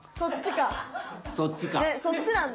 そっちなんだ！